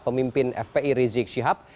pemimpin fpi rizik syihab